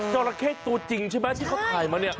ราเข้ตัวจริงใช่ไหมที่เขาถ่ายมาเนี่ย